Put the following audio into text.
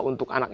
untuk anak ini